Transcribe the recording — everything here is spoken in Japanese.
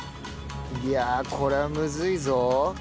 いやあこれはむずいぞ。